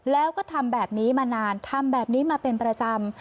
แล้วก็ทำแบบนี้มานานทำแบบนี้มาเป็นประจำ